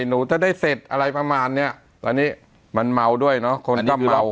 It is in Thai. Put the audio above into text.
หนูจะได้เสร็จอะไรประมาณเนี้ยตอนนี้มันเมาด้วยเนอะคนก็เมา